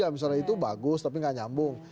misalnya itu bagus tapi gak nyambung